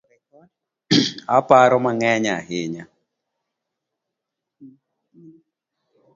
Aparo mang’eny ahinya